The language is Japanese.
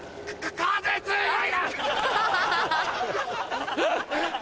風強い！